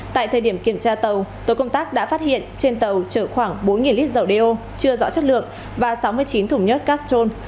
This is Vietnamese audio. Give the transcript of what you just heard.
tại thời điểm kiểm tra tàu tổ công tác đã phát hiện trên tàu chở khoảng bốn lít dầu đeo chưa rõ chất lượng và sáu mươi chín thùng nhớt castrol